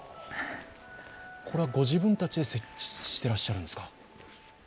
これはご自分たちで設置していらっしゃるんですか？